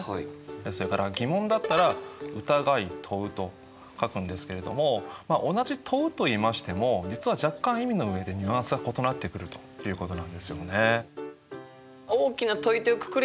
それから疑問だったら疑い問うと書くんですけれども同じ問うといいましても実は若干意味の上でニュアンスが異なってくるということなんですよね。